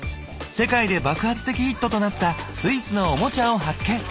世界で爆発的ヒットとなったスイスのオモチャを発見。